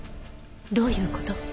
どういう事？